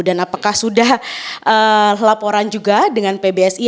dan apakah sudah laporan juga dengan pbsi